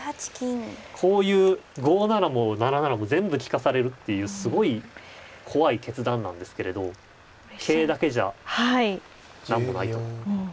こういう５七も７七も全部利かされるっていうすごい怖い決断なんですけれど桂だけじゃ何もないと。